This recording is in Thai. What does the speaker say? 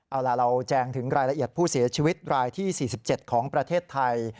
เอาล่ะเราแจงถึงรายละเอียดผู้เสียชีวิตรายที่๔๗ของประเทศไทย